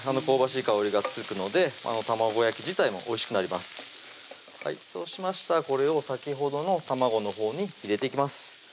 香ばしい香りが続くので卵焼き自体もおいしくなりますそうしましたらこれを先ほどの卵のほうに入れていきます